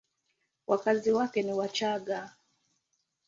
Wakazi wake ni Wachagga.